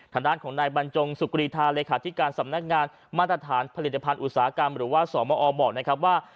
ทางด้านของนายบรรจงสุกรีธาเลขาธิการสำนักงานมาตรฐานผลิตภัณฑ์อุตสาหกรรมหรือว่าสมอบอกนะครับว่า